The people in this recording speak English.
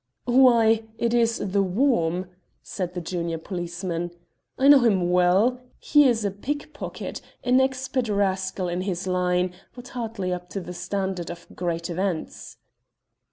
"Why, it is 'The Worm!'" said the junior policeman. "I know him well. He is a pick pocket, an expert rascal in his line, but hardly up to the standard of great events."